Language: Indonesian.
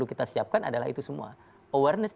bisakah mbak desi menganggar agar itu di calendari semuanya